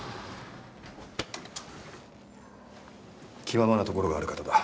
気ままなところがある方だ。